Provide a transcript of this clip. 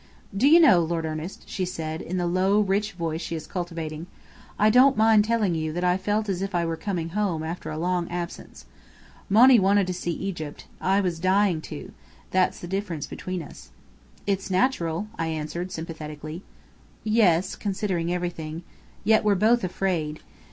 "Do you know, Lord Ernest," she said, in the low, rich voice she is cultivating, "I don't mind telling you that I felt as if I were coming home, after a long absence. Monny wanted to see Egypt; I was dying to. That's the difference between us." "It's natural," I answered, sympathetically. "Yes considering everything. Yet we're both afraid.